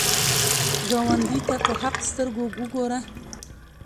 ګاونډي ته په حق سترګو وګوره